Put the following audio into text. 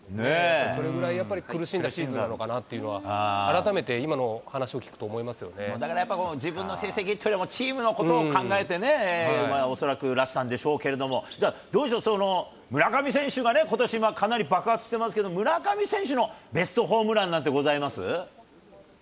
それぐらいやっぱり苦しんだシーズンなのかなっていうのは、改めて今の話を聞くと思いますよだからやっぱり、自分の成績よりチームのことを考えてね、恐らくいらしたんでしょうけども、じゃあ、どうでしょう、村上選手がことしかなり爆発してますけど、村上選手のベストホームランなんてございます？